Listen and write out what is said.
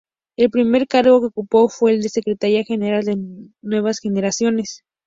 El primer cargo que ocupó fue el de Secretaria General de Nuevas Generaciones.